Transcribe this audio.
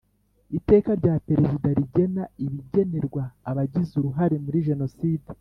Iteka rya Perezida rigena ibigenerwa abagize uruhare muri genoside